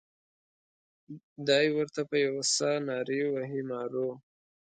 دای ورته په یوه ساه نارې وهي مارو.